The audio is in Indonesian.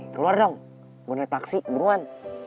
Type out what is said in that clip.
keluar dong gua naik taksi beruan